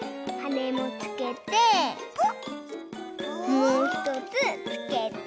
もうひとつつけて。